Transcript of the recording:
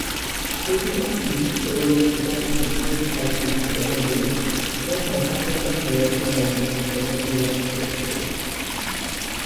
შედეგად, იგი შეუერთდა მსოფლიოს საუკეთესო მოდელებს და დაასახელდა მეორე საუკეთესო მოდელად მსოფლიოში.